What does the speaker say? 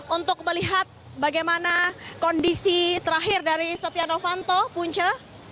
untuk melihat bagaimana kondisi terakhir dari setia novanto punca